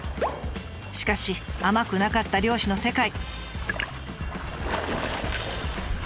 しかし甘くなかった漁師の世界。